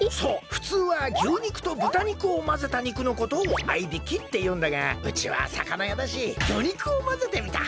ふつうは牛肉と豚肉をまぜた肉のことを合いびきっていうんだがうちはさかなやだし魚肉をまぜてみた。